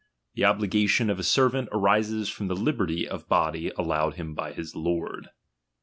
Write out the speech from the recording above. The obligation of a servant arises from the liberty of body allowed him by his lord.